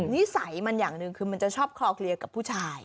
นิสัยมันอย่างหนึ่งคือมันจะชอบคลอเคลียร์กับผู้ชาย